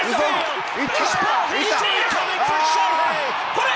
これ。